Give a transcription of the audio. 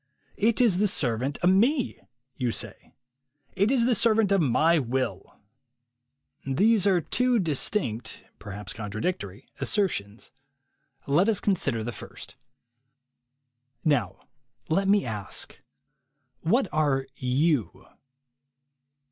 "It is the servant of Me," you say. "It is the servant of My Will." These are two • distinct, perhaps 12 THE WAY TO WILL POWER contradictory, assertions. Let us consider the first. Now let me ask. What are you?